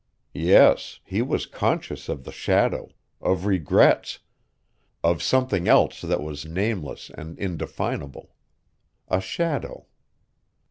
Yes, he was conscious of the shadow, of regrets, of something else that was nameless and indefinable, a shadow.